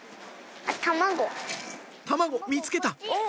卵見つけた！